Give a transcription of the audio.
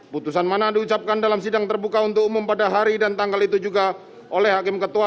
putusan mana diucapkan dalam sidang terbuka untuk umum pada hari dan tanggal itu juga oleh hakim ketua